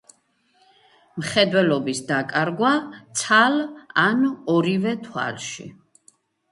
მხედველობის დაკარგვა ცალ ან ორივე თვალში.